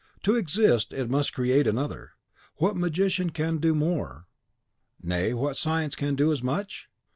To exist, it must create another. What magician can do more; nay, what science can do as much?